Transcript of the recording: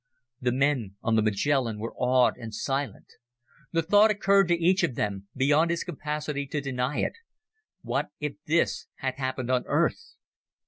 The men on the Magellan were awed and silent. The thought occurred to each of them, beyond his capacity to deny it: what if this had happened on Earth?